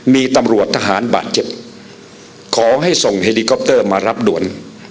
มีตำรวจทหารบาดเจ็บขอให้ส่งเฮลิคอปเตอร์มารับด่วน